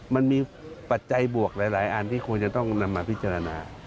ปัจจัยบวกหลายอันที่ควรจะต้องนำมาพิจารณา